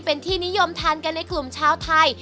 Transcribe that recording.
เป็นที่นิยมทานกันในกลุ่มชาวไทย